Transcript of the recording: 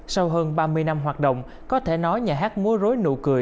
sau hơn ba mươi năm hoạt động có thể nói nhà hát múa rối nụ cười